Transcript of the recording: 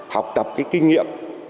học tập cái kinh nghiệm